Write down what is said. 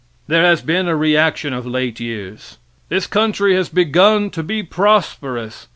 There has been a reaction of late years. This country has begun to be prosperous.